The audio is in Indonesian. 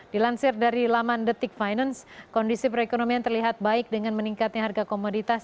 dilansir dari laman the tick finance kondisi perekonomian terlihat baik dengan meningkatnya harga komoditas